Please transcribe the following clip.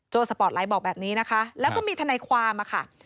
สปอร์ตไลท์บอกแบบนี้นะคะแล้วก็มีทนายความอะค่ะ